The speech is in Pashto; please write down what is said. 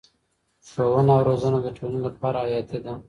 ښوونه او روزنه د ټولنې لپاره حیاتي ده.